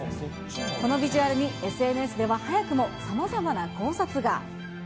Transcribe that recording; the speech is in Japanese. このビジュアルにＳＮＳでは早くもさまざまな考察が。